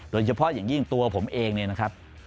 โดยเฉพาะอย่างยิ่งตัวผมเองเนี่ยนะครับ